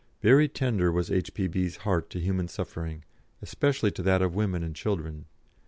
Very tender was H.P.B.'s heart to human suffering, especially to that of women and children.